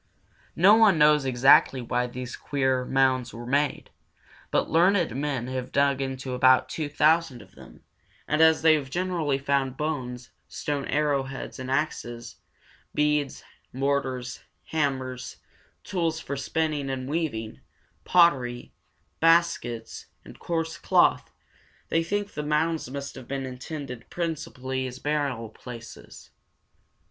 ] No one now knows exactly why these queer mounds were made, but learned men have dug into about two thousand of them, and as they have generally found bones, stone arrowheads and axes, beads, mortars, hammers, tools for spinning and weaving, pottery, baskets, and coarse cloth, they think the mounds must have been intended principally as burying places.